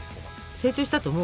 成長したと思う？